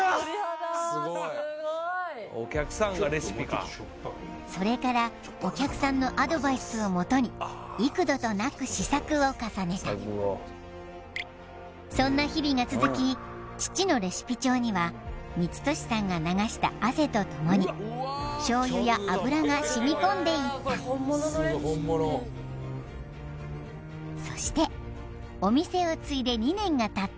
えっそれからお客さんのアドバイスをもとに幾度となく試作を重ねたそんな日々が続き父のレシピ帳には充俊さんが流した汗とともに醤油や油が染み込んでいったそしてホント僕みたいな頑張ったね